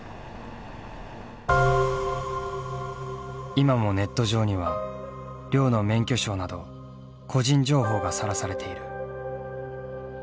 今もネット上には亮の免許証など個人情報がさらされている。